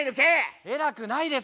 偉くないです。